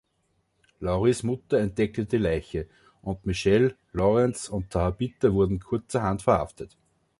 Lauries Mutter entdeckte die Leiche, und Michelle, Lawrence und Tabitha wurden kurzerhand verhaftet.